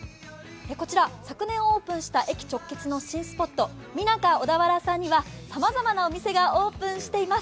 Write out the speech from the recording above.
こちら昨年オープンした駅直結の新スポット、ミナカ小田原さんにはさまざまなお店がオープンしています。